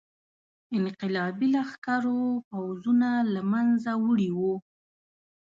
انقلابي لښکرو پوځونه له منځه وړي وو.